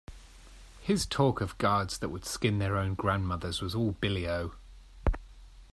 His talk of guards that would skin their own grandmothers was all billy-o.